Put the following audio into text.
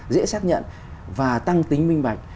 dễ xác nhận và tăng tính minh bạch